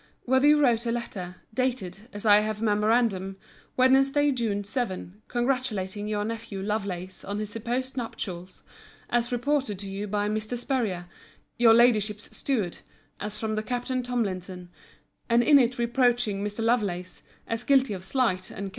Whether you wrote a letter, dated, as I have a memorandum, Wedn. June 7, congratulating your nephew Lovelace on his supposed nuptials, as reported to you by Mr. Spurrier, your Ladyship's steward, as from one Captain Tomlinson:—and in it reproaching Mr. Lovelace, as guilty of slight, &c.